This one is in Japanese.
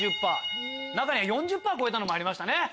３０％４０％超えたのもありましたね。